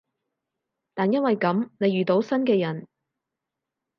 但因為噉，你遇到新嘅人